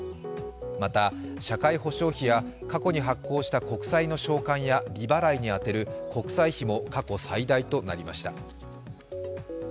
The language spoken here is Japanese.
また、社会保障費や過去に発行した国債の償還や利払いに当てる国債費も過去最大となりました。